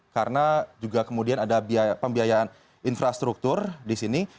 karena juga kemudian ada pembiayaan infrastruktur di sini